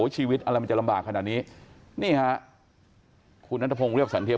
ชีวิตอะไรมันจะลำบากขนาดนี้นี่ฮะคุณนัทพงศ์เรียบสันเทียม